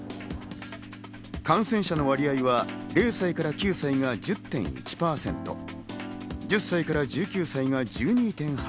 感染者の割合は０歳から９歳が１０．１％、１０歳から１９歳が１２．８％。